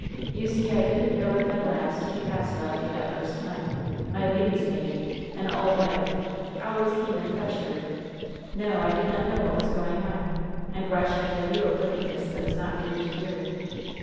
You see, I didn't go with my lass to the castle after that first time. My lady's maid, an aul wife, always came and fetched her. No, I did not know what was going on. And why should I tell you of wick edness that is not for you to hear